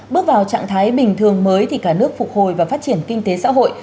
bước vào trạng thái bình thường mới thì cả nước phục hồi và phát triển kinh tế xã hội